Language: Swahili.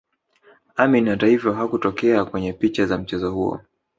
Amin hatahivyo hakutokea kwenye picha za mchezo huo